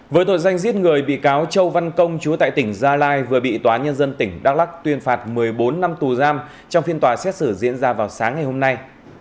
với tội danh giết người bị cáo châu văn công chúa tại tỉnh gia lai vừa bị tòa nhân dân tỉnh đắk lắc tuyên phạt một mươi bốn năm tù giam trong phiên tòa xét xử diễn ra vào sáng ngày hôm nay